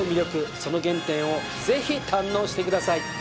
その原点をぜひ堪能してください。